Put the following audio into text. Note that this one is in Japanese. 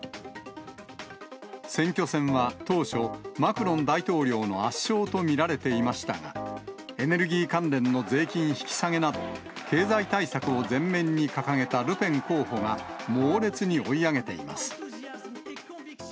選挙戦は、当初、マクロン大統領の圧勝と見られていましたが、エネルギー関連の税金引き下げなど、経済対策を前面に掲げたルペン候補が、猛烈に追い上げています。